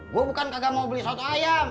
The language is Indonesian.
gue bukan kagak mau beli soto ayam